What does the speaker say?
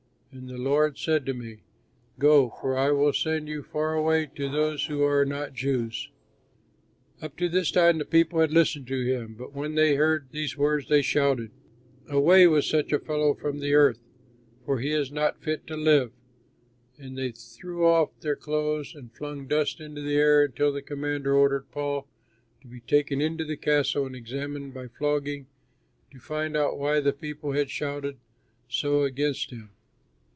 And the Lord said to me, 'Go, for I will send you far away to those who are not Jews.'" Up to this time the people had listened to him, but when they heard these words they shouted, "Away with such a fellow from the earth, for he is not fit to live," and they threw off their clothes and flung dust into the air until the commander ordered Paul to be taken into the castle and examined, by flogging, to find out why the people had shouted so against him.